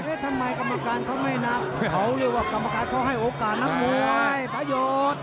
ทำไมกรรมการเขาไม่นับเขาเรียกว่ากรรมการเขาให้โอกาสนักมวยประโยชน์